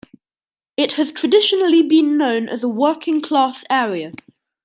It has traditionally been known as a working-class area.